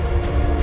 ya enggak apa apa